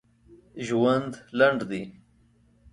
ژوند لنډ دی.